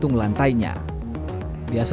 biasanya lantai yang tersebut tidak bisa disewa